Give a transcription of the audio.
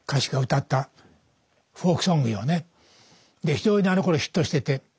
非常にあのころヒットしてて。